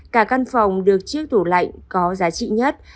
cả căn phòng được chiếc tủ lạnh có giá trị nhất